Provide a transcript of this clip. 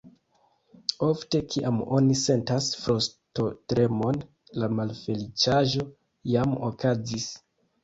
Ofte, kiam oni sentas frostotremon, la malfeliĉaĵo jam okazis.